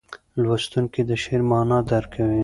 لوستونکی د شعر معنا درک کوي.